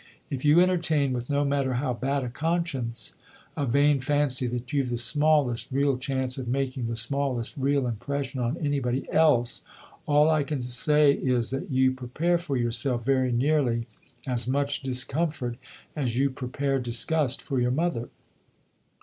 If you entertain with no matter how bad a conscience a vain fancy that you've the smallest real chance of making the smallest real impression on anybody else, all I can say is that you prepare for yourself very nearly as much discomfort as you prepare disgust for your mother."